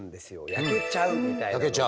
焼けちゃうみたいなのが。